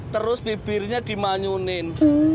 terus bibirnya dimanyunin